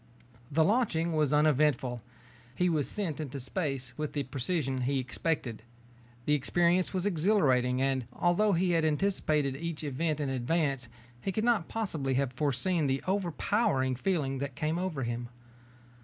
The launching was uneventful. He was sent into space with the precision he expected. The experience was exhilarating and, although he had anticipated each event in advance, he could not possibly have foreseen the overpowering feeling that came over him.